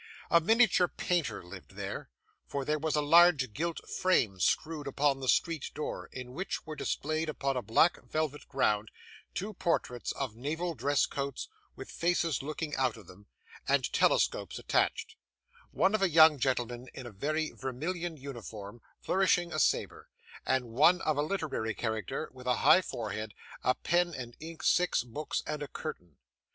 A miniature painter lived there, for there was a large gilt frame screwed upon the street door, in which were displayed, upon a black velvet ground, two portraits of naval dress coats with faces looking out of them, and telescopes attached; one of a young gentleman in a very vermilion uniform, flourishing a sabre; and one of a literary character with a high forehead, a pen and ink, six books, and a curtain.